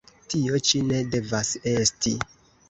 Tio ĉi ne devas esti!